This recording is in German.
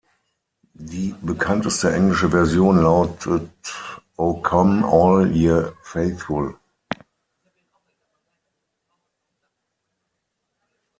Die bekannteste englische Version lautet "O Come All Ye Faithful".